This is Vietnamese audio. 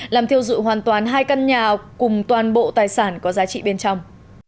làm thiêu dụi hoàn toàn hai căn nhà cùng toàn bộ tài sản có giá trị bên trong